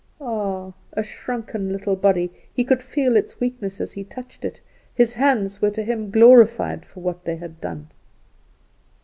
Ah! a shrunken little body, he could feel its weakness as he touched it. His hands were to him glorified for what they had done.